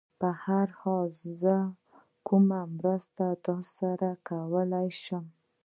په هر حال، زه کومه مرسته در سره کولای شم؟